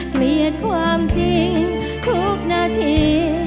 เกลียดความจริงทุกนาที